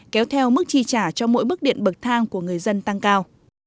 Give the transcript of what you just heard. kéo theo mức chi trả cho mỗi bức điện bậc thang của người dân tăng cao